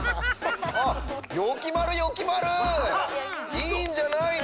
いいんじゃないの？